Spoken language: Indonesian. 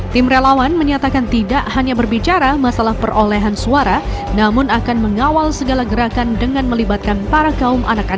tim relawan menyatakan tidak hanya berbicara masalah perolehan suara namun akan mengawal segala gerakan dengan melibatkan para kaum anak anak